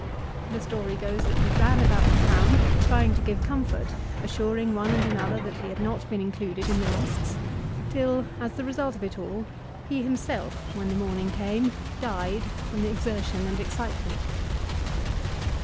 The story goes that he ran about the town trying to give comfort, assuring one and another that he had not been included in the lists, till, as the result of it all, he himself when the morning came, died from the exertion arid excitement.